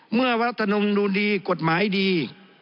เมื่อว่ารัฐธรรมนูญดีกฎหมายดี